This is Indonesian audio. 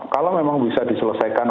kalau memang bisa diselesaikan